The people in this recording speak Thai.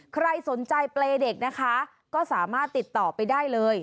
ใครสนใจเปรย์เด็กนะคะก็สามารถติดต่อไปได้เลย